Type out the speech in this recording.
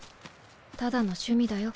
ただの趣味だよ。